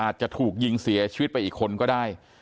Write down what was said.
อาจจะถูกยิงเสียชีวิตไปอีกคนก็ได้